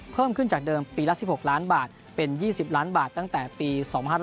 เพิ่มขึ้นจากเดิมปีละ๑๖ล้านบาทเป็น๒๐ล้านบาทตั้งแต่ปี๒๕๕๙